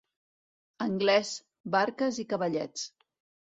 Anglès, barques i cavallets.